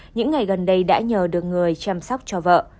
những ngày gần đây đã nhờ được người chăm sóc cho vợ